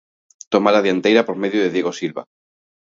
Tomar a dianteira por medio de Diego Silva.